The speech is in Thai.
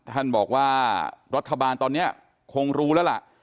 ท่านบอกว่ารัฐบาลตอนนี้คงรู้แล้วล่ะ